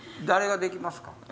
誰ができますか？